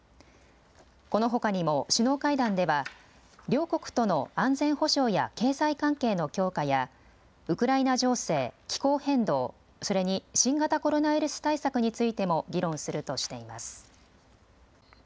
このほかにも首脳会談では両国との安全保障や経済関係の強化やウクライナ情勢、気候変動、それに新型コロナウイルス対策についても議論するとしています。